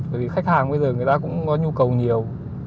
bởi vì khách hàng bây giờ người ta cũng có nhu cầu nhiều